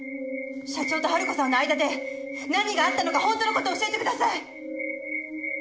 社長と春子さんの間で何があったのか本当の事を教えてください！